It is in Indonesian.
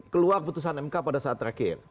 keluar putusan mk pada saat terakhir